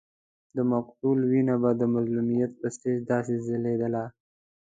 د مقتول وینه به د مظلومیت پر سټېج داسې ځلېدله.